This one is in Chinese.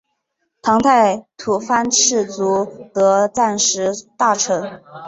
唐代吐蕃赤祖德赞时大臣。